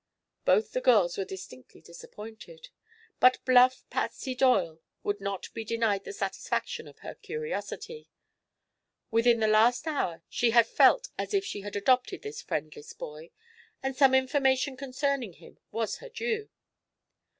Both the girls were distinctly disappointed. But bluff Patsy Doyle would not be denied the satisfaction of her curiosity. Within the last hour she had felt as if she had adopted this friendless boy, and some information concerning him was her due.